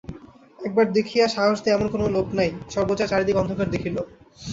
একবার দেখিয়া সাহস দেয় এমন লোক নাই, সর্বজয়া চারিদিক অন্ধকার দেখিল।